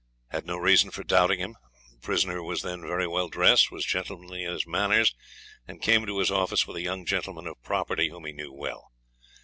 Had no reason for doubting him. Prisoner was then very well dressed, was gentlemanly in his manners, and came to his office with a young gentleman of property whom he knew well.